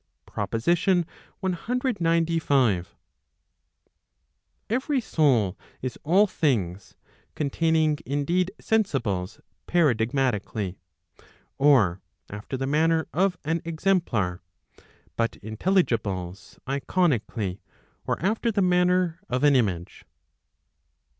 PROPOSITION CXCV. Every soul is all things, containing indeed sensibles paradigmatically, or after the manner of an exemplar; but intelligibles iconically, or after the manner of an image.